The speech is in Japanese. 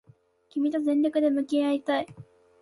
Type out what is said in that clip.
君と全力で向き合いたい